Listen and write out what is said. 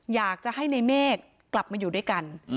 อยากจะให้ในเมฆกลับมาอยู่ด้วยกัน